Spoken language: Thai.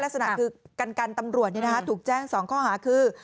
ลักษณะคือกันตำรวจถูกแจ้ง๒ข้อหาคือ